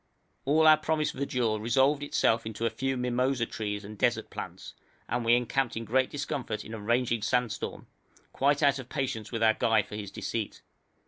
All our promised verdure resolved itself into a few mimosa trees and desert plants, and we encamped in great discomfort in a raging sandstorm, quite out of patience with our guide for his deceit.